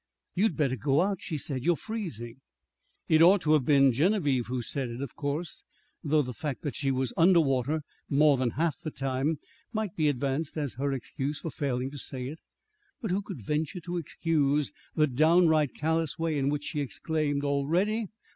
"You'd better go out," she said. "You're freezing." It ought to have been Genevieve who said it, of course, though the fact that she was under water more than half the time might be advanced as her excuse for failing to say it. But who could venture to excuse the downright callous way in which she exclaimed, "Already?